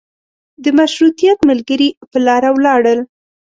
د مشروطیت ملګري په لاره ولاړل.